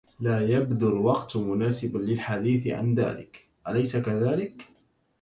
لا يبدو الوقت مناسبا للحديث عن ذلك. أليس كذلك؟